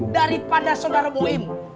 daripada sodara boim